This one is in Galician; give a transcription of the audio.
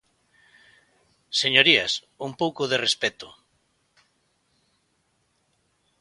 Señorías, ¡un pouco de respecto!